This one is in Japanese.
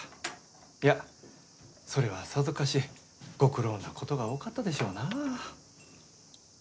いやそれはさぞかしご苦労なことが多かったでしょうなぁ。